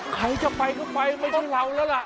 ใครจะไปก็ไปไม่ใช่เราแล้วล่ะ